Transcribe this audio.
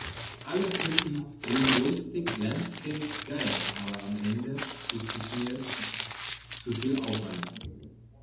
Alle finden Linguistic Landscapes geil, aber am Ende ist es mir zu viel Aufwand.